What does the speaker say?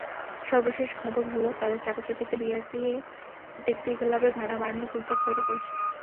সর্বশেষ খবর হলো, তাদের চাপাচাপিতে বিআরটিএ ট্যাক্সিক্যাবের ভাড়া বাড়ানোর প্রস্তাব তৈরি করেছে।